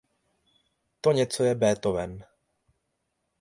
To něco je Beethoven.